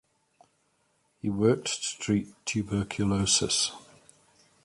He worked to treat tuberculosis.